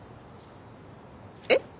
えっ？